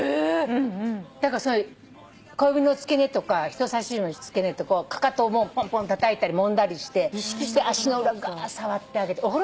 だから小指の付け根とか人さし指の付け根かかとぽんぽんたたいたりもんだりして足の裏がー触ってあげて。